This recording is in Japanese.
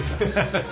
ハハハ。